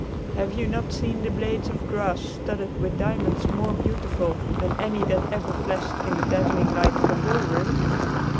Have you not seen the blades of grass studded with diamonds more beautiful than any that ever flashed in the dazzling light of a ballroom?